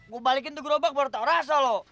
gue balikin teguh robak buat tau rasa lo